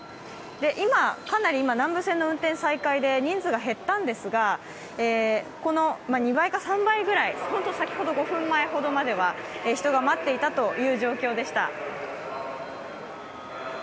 今、かなり南武線の運転再開で人数が減ったんですが、この２倍か３倍ぐらい、先ほど５分前ぐらいまで人が待ってるという状況でした。